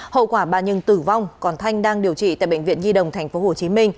hậu quả bà nhưng tử vong còn thanh đang điều trị tại bệnh viện nhi đồng tp hcm